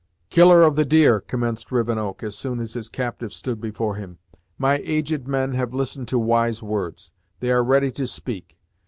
"Killer of the Deer," commenced Rivenoak, as soon as his captive stood before him, "my aged men have listened to wise words; they are ready to speak.